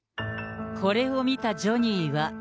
これを見たジョニーは。